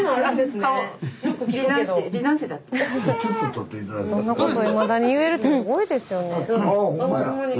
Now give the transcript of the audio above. スタジオそんなこといまだに言えるってすごいですよね。